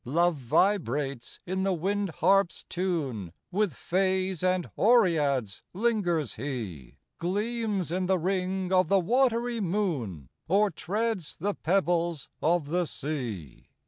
Love vibrates in the wind harp s tune With fays and oreads lingers he Gleams in th ring of the watery moon, Or treads the pebbles of the sea.